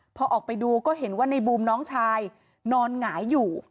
พอออกไปดูก็เห็นว่าในบูมน้องชายนอนหงายอยู่